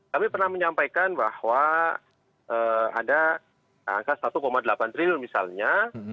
kami pernah menyampaikan bahwa ada angka satu delapan triliun misalnya